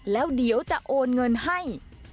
แล้วเดี๋ยวจะโอนเงินให้